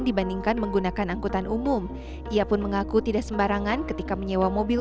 dibandingkan menggunakan angkutan umum ia pun mengaku tidak sembarangan ketika menyewa mobil